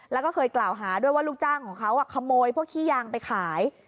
แล้วก็เคยกล่าวหาด้วยว่าลูกจ้างของเขาขโมยพวกขี้ยางไปขาย